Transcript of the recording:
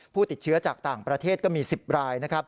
ผู้ติดเชื้อจากต่างประเทศก็มี๑๐รายนะครับ